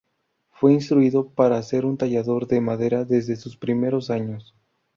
Fue instruido para ser un tallador de madera desde sus primeros años.